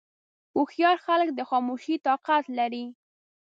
هوښیار خلک د خاموشۍ طاقت لري.